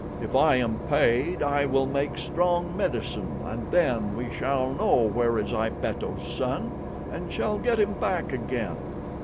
If I am paid I will make strong medicine and then we shall know where is Ibeto's son, and shall get him back again.